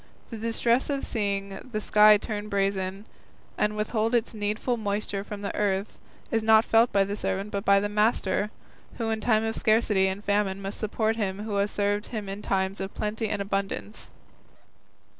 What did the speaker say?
The distress of seeing the sky turn brazen, and withhold its needful moisture from the earth, is not felt by the servant but by the master, who in time of scarcity and famine must support him who has served him in times of plenty and abundance."